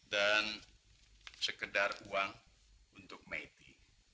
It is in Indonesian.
dan sekedar uang untuk metti